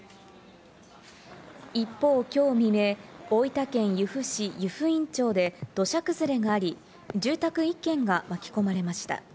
一方きょう未明、大分県由布市湯布院町で土砂崩れがあり、住宅１軒が巻き込まれました。